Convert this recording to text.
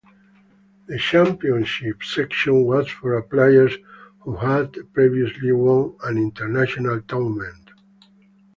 The Championship section was for players who had previously won an international tournament.